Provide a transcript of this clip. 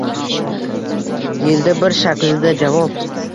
Yilda bir shaklida javob